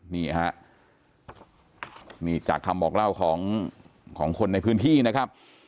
นี่ฮะนี่จากคำบอกเล่าของของคนในพื้นที่นะครับ